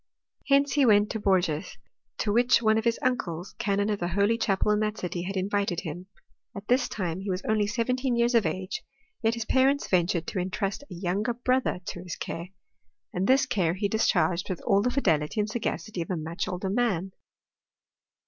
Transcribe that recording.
Hence he went to Bourges, to which one of his uncles, canon of the holy chapel in that city, had invited him. At this time he was only seventeen years of age, yet his parents ventured to intrust a younger brother VOL, I, T 274 HISTORY 01? CHEMISTRT. to his care, and this care he discharged with all the fidelity and sagacity of a much older man.